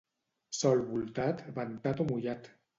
Sol voltat, ventat o mullat.